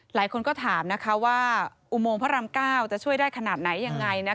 หลายคนก็ถามว่าอุโมงพระราม๙จะช่วยได้ขนาดไหนยังไง